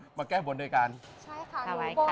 ใช่ค่ะรูปบนถวายไข่ค่ะ